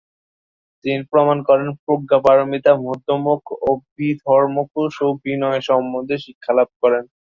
তিনি প্রমাণ, প্রজ্ঞাপারমিতা, মধ্যমক, অভিধর্মকোশ ও বিনয় সম্বন্ধে শিক্ষালাভ করেন।